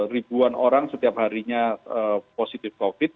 ribuan orang setiap harinya positif covid